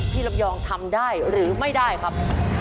ลำยองทำได้หรือไม่ได้ครับ